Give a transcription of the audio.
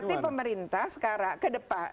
berarti pemerintah sekarang ke depan